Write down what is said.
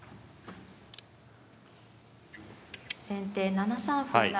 先手７三歩成。